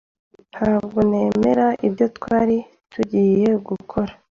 Ntabwo nemera ibyo twari tugiye gukora.